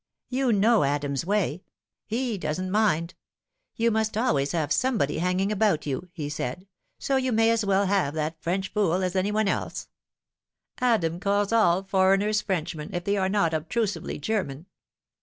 " You know Adam's way. He doesn't mind. ' You always must have somebody hanging about you,' he said, ' so you may as well have that French fool as any one else.' Adam calls all foreigners Frenchmen, if they are not obtrusively German.